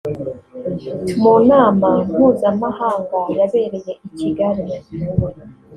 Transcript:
mu nama mpuzamahanga yabereye I Kigali